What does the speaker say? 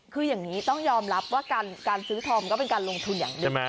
คืออย่างนี้ต้องยอมรับว่าการซื้อธอมก็เป็นการลงทุนอย่างเดียว